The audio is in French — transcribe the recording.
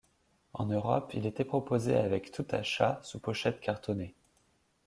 En Europe, il était proposé avec tout achat, sous pochette cartonnée.